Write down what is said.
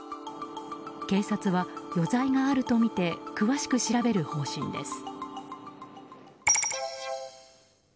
警察は、余罪があるとみて詳しく調べる方針です。